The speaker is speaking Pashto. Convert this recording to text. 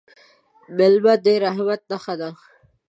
مېلمه د رحمت نښه ده.